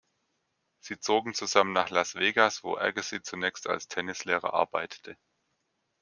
Sie zogen zusammen nach Las Vegas, wo Agassi zunächst als Tennislehrer arbeitete.